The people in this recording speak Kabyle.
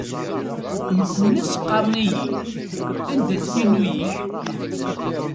Mkul ass qqaren-iyi: Anda-t Yillu-yik?